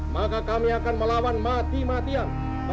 maka kami akan melawan mati matian